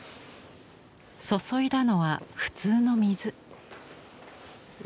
注いだのは普通の水。